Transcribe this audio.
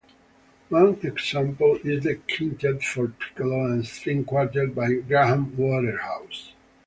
One example is the Quintet for Piccolo and String Quartet by Graham Waterhouse.